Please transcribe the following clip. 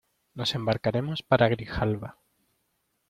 nos embarcaremos para Grijalba: